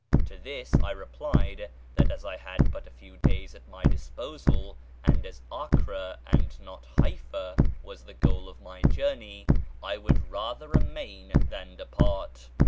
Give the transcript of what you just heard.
To this I replied that as I had but a few days at my disposal, and as Acre and not Haifá was the goal of my journey, I would rather remain than depart.